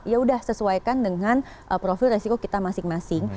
ya sudah sesuaikan dengan profil resiko kita masing masing